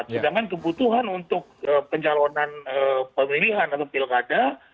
sedangkan kebutuhan untuk pencalonan pemilihan atau pilkada